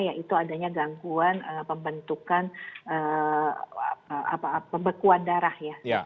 yaitu adanya gangguan pembentukan pebekuan darah